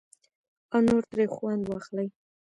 او نور ترې خوند واخلي.